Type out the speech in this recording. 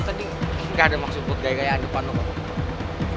tadi nggak ada maksud buat gaya gayaan depan lu pak